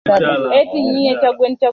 Dada amenunua tarakilishi mpya.